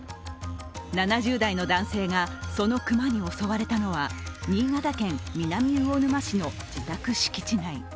７０代の男性がその熊に襲われたのは、新潟県南魚沼市の自宅敷地内。